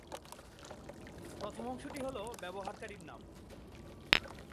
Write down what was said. প্রথম অংশটি হল ব্যবহারকারী নাম।